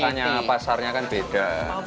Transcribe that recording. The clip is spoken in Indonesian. ya makanya pasarnya kan beda